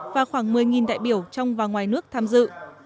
và khoảng một mươi đại biểu trong và ngoài nước tham dự